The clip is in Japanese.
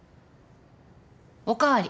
お代わり。